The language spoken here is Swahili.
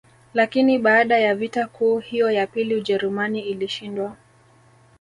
Lakini baada ya vita kuu hiyo ya pili Ujerumani ilishindwa